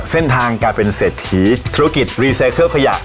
เส้นทางการเป็นเสดทีธุรกิจรีเซคเครือปขยะ